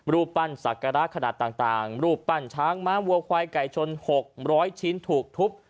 รูปปั้นศักระขนาดต่างรูปปั้นช้างม้าวัวควายไก่ชน๖๐๐ชิ้นถูกทุบ